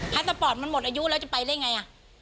พันธพปอร์ตมันหมดอายุแล้วจะไปได้ยังไง